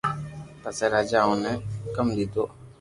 پسي راجا اوني ھڪم ديدو